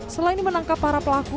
selain menangkap para pelaku